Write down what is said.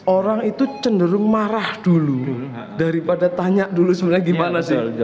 orang itu cenderung marah dulu daripada tanya dulu sebenarnya gimana sih